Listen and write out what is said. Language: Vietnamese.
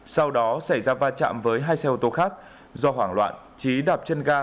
sau đó xảy ra va chạm với hai xe ô tô khác do hoảng loạn trí đạp chân ga